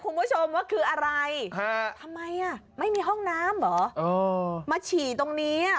คุณผู้ชมว่าคืออะไรฮะทำไมอ่ะไม่มีห้องน้ำเหรอเออมาฉี่ตรงนี้อ่ะ